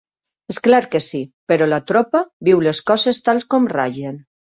És clar que sí, però la tropa viu les coses tal com ragen.